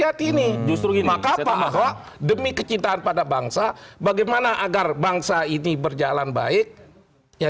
hati ini justru gimana demi kecintaan pada bangsa bagaimana agar bangsa ini berjalan baik ya